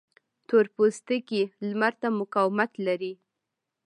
تور پوستکی لمر ته مقاومت لري